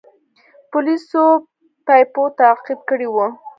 پولیسو بیپو تعقیب کړی و.